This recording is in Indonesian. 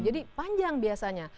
jadi panjang biasanya